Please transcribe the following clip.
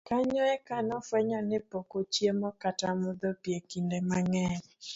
kanyo eka nofwenyo ni pok ochiemo kata modho pi e kinde mang'eny